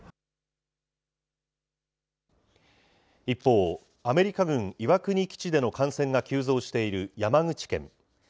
一方、アメリカ軍岩国基地での感染が急増している山口県。